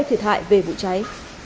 thiệt hại về vụ cháy